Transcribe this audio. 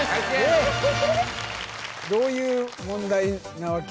どういう問題なわけ？